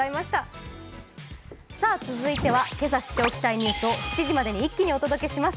続いては今朝知っておきたいニュースを７時までにまとめてお届けします。